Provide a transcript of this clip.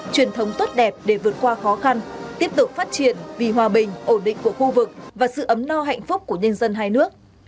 truyền thống tốt đẹp để vượt qua khó khăn tiếp tục phát triển vì hòa bình ổn định của khu vực và sự ấm no hạnh phúc của nhân dân hai nước